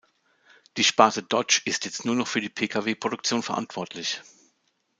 Die Sparte Dodge ist jetzt nur noch für die Pkw-Produktion verantwortlich.